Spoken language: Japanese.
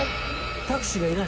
タクシーがいない！